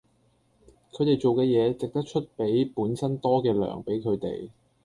佢地做既野值得岀比本身多既糧比佢地